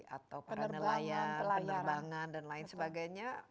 atau penerbangan pelayaran dan lain sebagainya